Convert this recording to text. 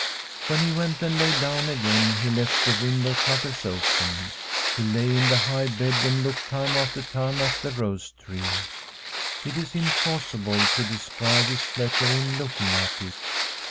When he went and laid down again he left the window shutters open. He lay in the high bed and looked time after time at the rose tree ; it is impossible to describe his pleasure in looking at it.